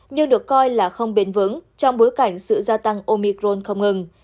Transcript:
nhưng được coi là không bền vững trong bối cảnh sự gia tăng omicron không ngừng